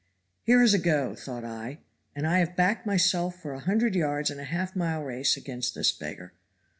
'Here is a go,' thought I, 'and I have backed myself for a hundred pounds in a half mile race against this beggar.'